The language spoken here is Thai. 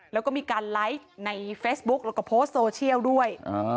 แล้วก็มีการไลฟ์ในเฟซบุ๊กแล้วก็โพสต์โซเชียลด้วย